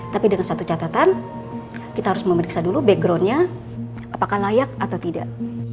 tapi dengan satu catatan kita harus memeriksa dulu backgroundnya apakah layak atau tidak